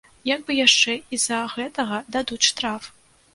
Як бы яшчэ і з-за гэтага дадуць штраф.